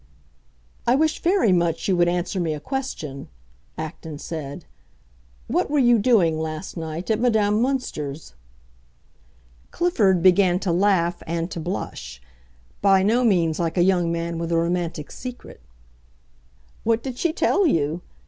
"I wish very much you would answer me a question," Acton said. "What were you doing, last night, at Madame Münster's?" Clifford began to laugh and to blush, by no means like a young man with a romantic secret. "What did she tell you?"